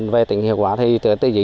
về tỉnh hiệu quả thì tưới tưới dưới thì